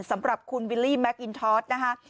สำหรับคุณวิลลี่แมคอินทอสนะคะ